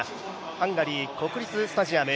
ハンガリー国立スタジアム。